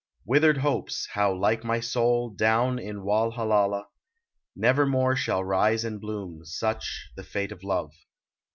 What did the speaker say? Withered hopes, how like my soul, Down in Walhallalah, Never more shall rise and bloom ; Such the fate of love.